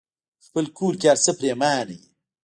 خپل کور کې هرڅه پريمانه وي.